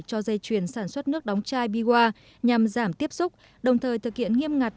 cho dây chuyền sản xuất nước đóng chai biwa nhằm giảm tiếp xúc đồng thời thực hiện nghiêm ngặt